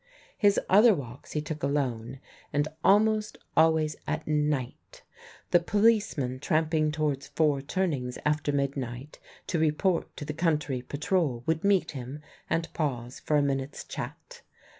His other walks he took alone, and almost always at night. The policeman tramping towards Four Turnings after midnight to report to the country patrol would meet him and pause for a minute's chat.